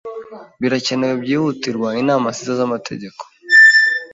Birakenewe byihutirwa inama nziza zamategeko.